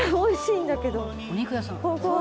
「お肉屋さん」